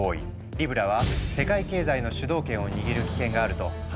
リブラは世界経済の主導権を握る危険があると判断されたんだ。